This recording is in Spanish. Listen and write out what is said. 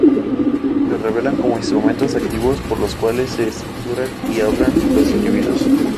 Se revelan como instrumentos activos por los cuales se estructuran y hablan los individuos.